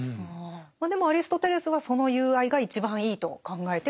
でもアリストテレスはその友愛が一番いいと考えてはいたんですもんね。